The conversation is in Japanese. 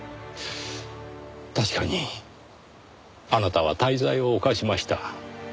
確かにあなたは大罪を犯しました。